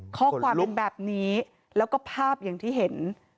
ข้อความเป็นแบบนี้แล้วก็ภาพอย่างที่เห็น